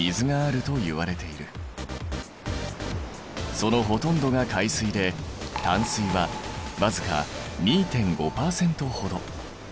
そのほとんどが海水で淡水は僅か２．５％ほど。